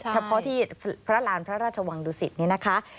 เฉพาะที่พระราชวังดุสิตนี่นะคะ